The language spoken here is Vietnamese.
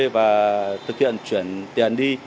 và thực hiện chuyển tiền đi